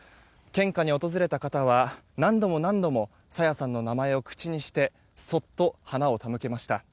献花に訪れた方は、何度も何度も朝芽さんの名前を口にしてそっと花を手向けました。